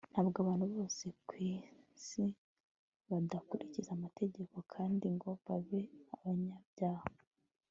Ntabwo abantu bose ku isi badakurikiza amategeko kandi ngo babe abanyabyaha